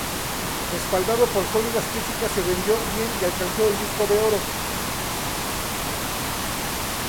Respaldado por sólidas críticas se vendió bien y alcanzó el disco de oro.